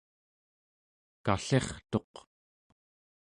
kallirtuq